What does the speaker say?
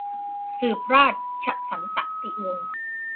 สืบราชสันตติวงศ์